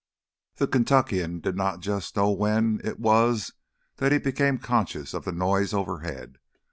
The Kentuckian did not know just when it was that he became conscious of the noise overhead.